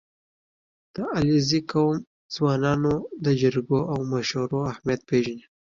• د علیزي قوم ځوانان د جرګو او مشورو اهمیت پېژني.